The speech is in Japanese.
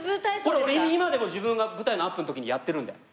これ俺今でも自分が舞台のアップの時にやってるので。